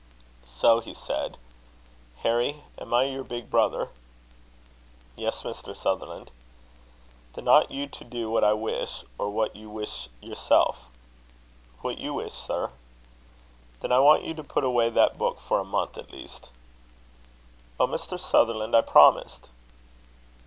So he said: "Harry, am I your big brother?" "Yes, Mr. Sutherland." "Then, ought you to do what I wish, or what you wish yourself?" "What you wish, sir." "Then I want you to put away that book for a month at least." "Oh, Mr. Sutherland! I promised."